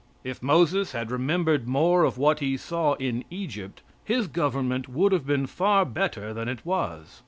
If Moses had remembered more of what he saw in Egypt his government would have been far better than it was.